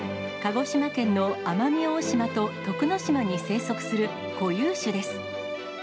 鹿児島県の奄美大島と徳之島に生息する固有種です。